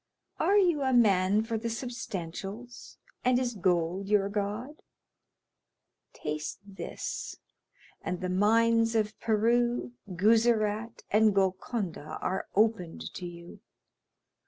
Are you a man for the substantials, and is gold your god? taste this, and the mines of Peru, Guzerat, and Golconda are opened to you.